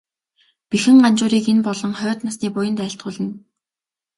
Бэхэн Ганжуурыг энэ болон хойд насны буянд айлтгуулна.